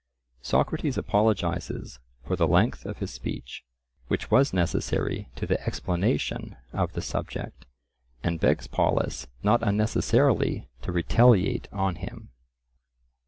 Socrates apologizes for the length of his speech, which was necessary to the explanation of the subject, and begs Polus not unnecessarily to retaliate on him.